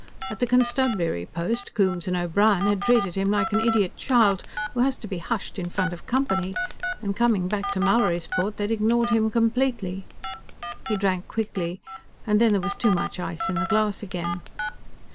At the constabulary post, Coombes and O'Brien had treated him like an idiot child who has to be hushed in front of company and coming back to Mallorysport they had ignored him completely. He drank quickly, and then there was too much ice in the glass again.